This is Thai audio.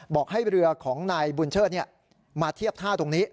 บอกให้เรือของนายบุญเชิดมาเทียบท่าตรงนี้